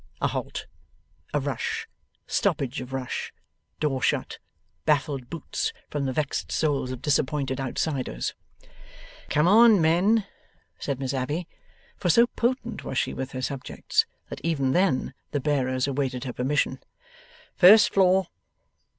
A halt. A rush. Stoppage of rush. Door shut. Baffled boots from the vexed souls of disappointed outsiders. 'Come on, men!' said Miss Abbey; for so potent was she with her subjects that even then the bearers awaited her permission. 'First floor.